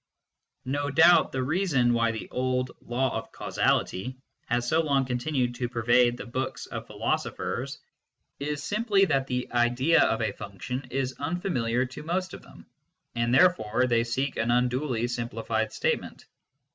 No doubt the reason why the old " law of causality " has so long continued to pervade the books of philo sophers is simply that the idea of a function is unfamiliar to most of them, and therefore they seek an unduly simplified statement.